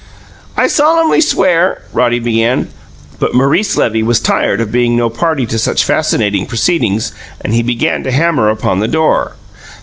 "I solemnly swear " Roddy began. But Maurice Levy was tired of being no party to such fascinating proceedings, and he began to hammer upon the door.